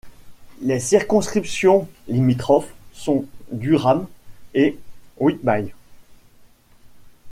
Les circonscriptions limitrophes sont Durham et Whitby.